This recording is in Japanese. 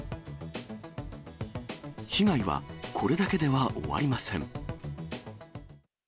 被害はこれだけでは終わりません。